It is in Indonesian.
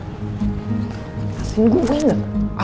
pasti nunggu gue gak